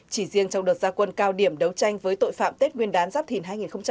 chỉ riêng trong đợt gia quân cao điểm đấu tranh với tội phạm tết nguyên đán giáp thìn hai nghìn hai mươi bốn